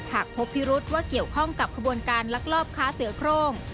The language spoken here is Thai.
หากพบพิรุษว่าเกี่ยวข้องกับขบวนการลักลอบค้าเสือโครง